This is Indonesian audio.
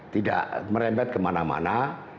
tidak merembet kemana mana